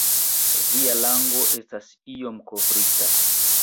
Via lango estas iom kovrita.